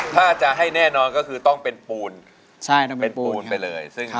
ถ้าจะให้แน่นอนก็คือต้องเป็นปูนใช่ต้องเป็นปูน